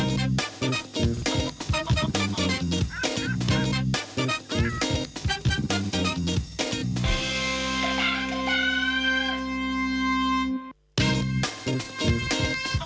วันนี้ลาไปก่อนแล้วค่ะสวัสดีค่ะ